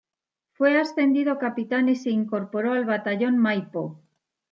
Fue ascendido a capitán y se incorporó al batallón Maipo.